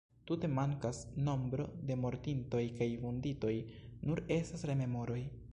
Tute mankas nombro de mortintoj kaj vunditoj, nur estas rememoroj.